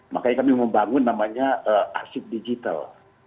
makanya kami membangun namanya r seed digital